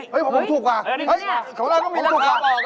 เฮ้ยผมถูกกว่าเฮ้ยเขาออกแล้วมีราคาก็บอก